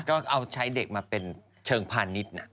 ก็เอาใช้เด็กมาเป็นเชิงพาณิชย์